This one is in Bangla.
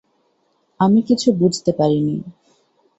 আমি কিছু বুঝতে পারি নি।